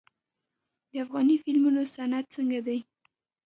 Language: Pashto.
د افغاني فلمونو صنعت څنګه دی؟